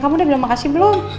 kamu udah makasih belum